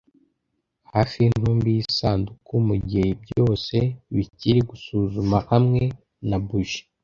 Hafi yintumbi yisanduku mugihe byose bikiri, gusuzuma hamwe na buji;